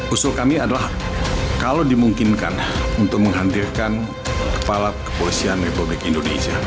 usul kami adalah kalau dimungkinkan untuk menghadirkan kepala kepolisian republik indonesia